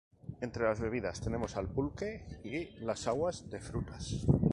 Entre las bebidas tenemos al pulque y las aguas de frutas.